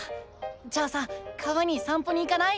じゃあさ川にさん歩に行かない？